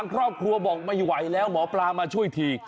ครอบครัวบอกไม่ไหวแล้วหมอปลามาช่วยที